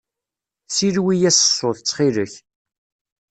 Silwi-yas ṣṣut, ttxil-k.